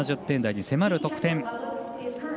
７０点台に迫る得点。